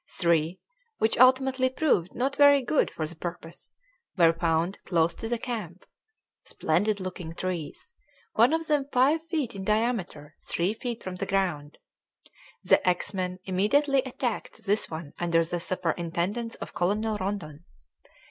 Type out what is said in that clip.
Three which ultimately proved not very good for the purpose were found close to camp; splendid looking trees, one of them five feet in diameter three feet from the ground. The axemen immediately attacked this one under the superintendence of Colonel Rondon.